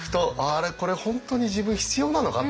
これ本当に自分必要なのかっていう。